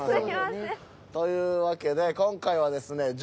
というわけで今回はですね